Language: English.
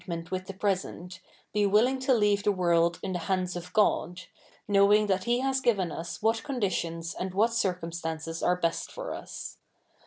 ie?it with the present, be willing to leave the world in the ha7ids of God, knowing that he has given us what conditions and what circumstances are best for us.